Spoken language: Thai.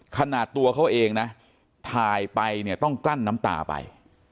ขนาดตัวเขาเองนะถ่ายไปเนี่ยต้องกลั้นน้ำตาไป